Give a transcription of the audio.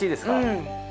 うん。